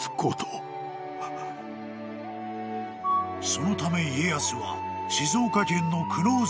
［そのため家康は静岡県］